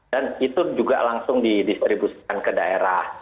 dan itu juga langsung didistribusikan ke daerah